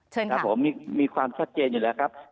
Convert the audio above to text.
เชิญค่ะครับผมมีความชัดเจนอยู่แล้วครับมีความชัดเจนอยู่แล้วครับ